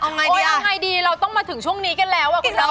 เอาไงดีเราต้องมาถึงช่วงนี้กันแล้ว